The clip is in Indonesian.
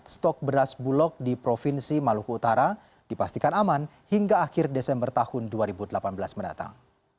stok beras bulog di provinsi maluku utara dipastikan aman hingga akhir desember tahun dua ribu delapan belas mendatang